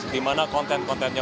di mana konten kontennya